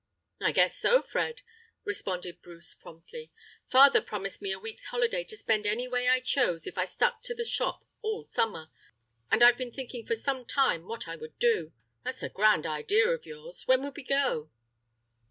"I guess so, Fred," responded Bruce promptly. "Father promised me a week's holiday to spend any way I chose if I stuck to the shop all summer, and I've been thinking for some time what I would do. That's a grand idea of yours. When would we go?"